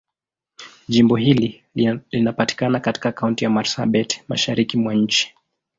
Jimbo hili linapatikana katika Kaunti ya Marsabit, Mashariki mwa nchi.